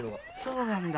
そうなんだ。